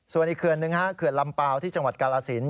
ส่วนอีกเครื่องหนึ่ง๕เครื่องลำเปล่าที่จังหวัดกาลาศิลป์